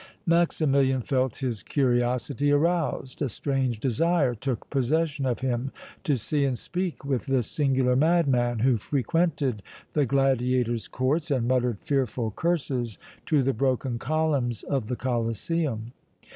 Maximilian felt his curiosity aroused; a strange desire took possession of him to see and speak with this singular madman, who frequented the gladiators' courts and muttered fearful curses to the broken columns of the Colosseum.